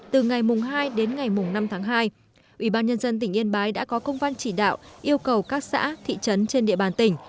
từ ngày hai đến ngày năm tháng hai ubnd tỉnh yên bái đã có công văn chỉ đạo yêu cầu các xã thị trấn trên địa bàn tỉnh